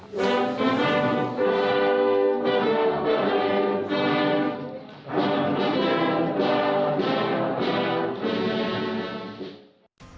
tim liputan cnn indonesia daerah istimewa yogyakarta